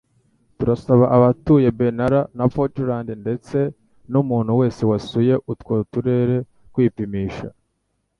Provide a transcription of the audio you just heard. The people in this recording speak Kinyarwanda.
Turasaba abatuye Benalla na Portland ndetse numuntu wese wasuye utwo turere kwipimisha